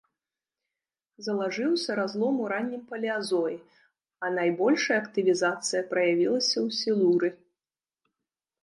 Залажыўся разлом у раннім палеазоі, а найбольшая актывізацыя праявілася ў сілуры.